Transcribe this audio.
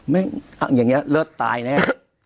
อย่างนี้เลิศตายแน่